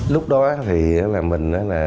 lúc đó thì là mình